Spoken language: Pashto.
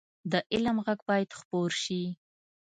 د علم غږ باید خپور شي